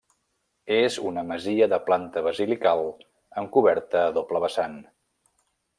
És una masia de planta basilical amb coberta a doble vessant.